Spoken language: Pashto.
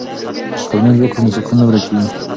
که لمونځ وکړو نو سکون نه ورکيږي.